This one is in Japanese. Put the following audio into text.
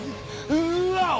ウワオ！